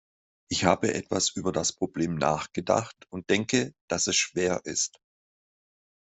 Ich habe etwas über das Problem nachgedacht und denke, dass es schwer ist.